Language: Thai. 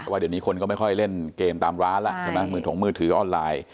ว่าเดี๋ยวนี้คนก็ไม่ค่อยเล่นเกมตามร้านแล้วใช่ไหมมือถงมือถือออนไลน์